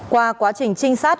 qua quá trình trinh sát